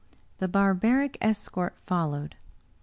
The barbaric escort followed.